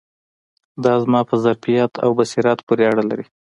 دا زما په ظرف او بصیرت پورې اړه لري.